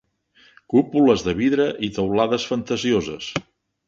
Cúpules de vidre i teulades fantasioses